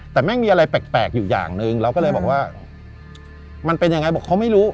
แต่แม่งมีอะไรแปลกอยู่อย่างหนึ่งเราก็เลยบอกว่ามันเป็นยังไงบอกเขาไม่รู้